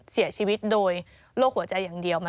เสียชีวิตโดยโรคหัวใจอย่างเดียว